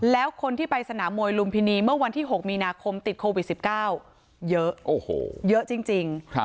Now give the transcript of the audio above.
แล้วคนที่ไปสนามมวยลุมพินีเมื่อวันที่๖มีนาคมติดโควิด๑๙เยอะเยอะจริง